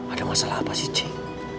ada masalah apa sih cik